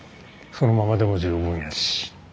そのままでも十分やし。